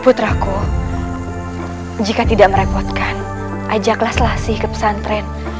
putraku jika tidak merepotkan ajaklah selasih ke pesantren